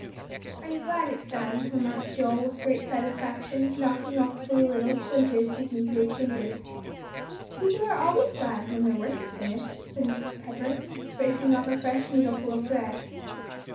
"I'm glad it's done," remarked Joel, with great satisfaction, knocking off the little splinters sticking to his fingers. "People always are glad when their work is finished," said Mrs. Pepper, breaking off a fresh needleful of thread.